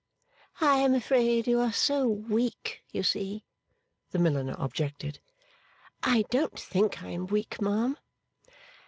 'I am afraid you are so weak, you see,' the milliner objected. 'I don't think I am weak, ma'am.